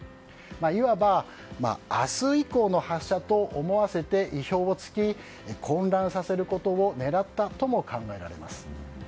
いわば、明日以降の発射と思わせて、意表を突き混乱させることを狙ったとも考えられます。